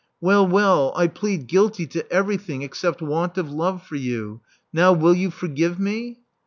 Well, well, I plead guilty to every thing except want of love for you. Now will you forgive me?"